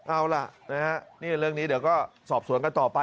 เอาล่ะนะฮะนี่เรื่องนี้เดี๋ยวก็สอบสวนกันต่อไป